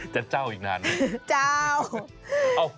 จะเจ้าอีกนานนะเจ้า